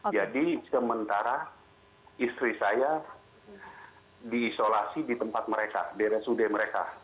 jadi sementara istri saya diisolasi di tempat mereka di rsud mereka